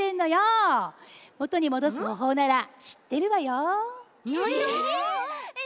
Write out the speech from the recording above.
もとにもどすほうほうならしってるわよ。